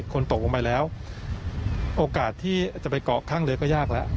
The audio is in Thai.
คนตกลงไปแล้วโอกาสที่จะไปเกาะข้างเรือก็ยากแล้ว